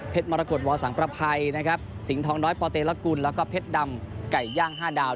เพชรมรกฎวาสังพระภัยสิงธองน้อยปอเตรละกุลแล้วก็เพชรดำไก่ย่าง๕ดาว